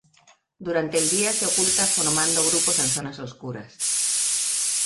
Durante el día se oculta formando grupos en zonas oscuras.